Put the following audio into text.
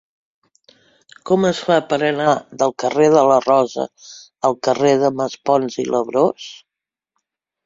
Com es fa per anar del carrer de la Rosa al carrer de Maspons i Labrós?